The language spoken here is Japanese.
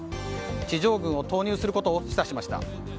地上軍を投入することを示唆しました。